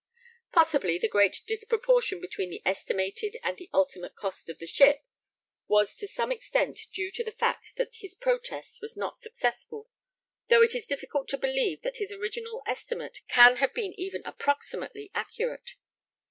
Possibly the great disproportion between the estimated and the ultimate cost of the ship was to some extent due to the fact that his protest was not successful, though it is difficult to believe that his original estimate can have been even approximately accurate.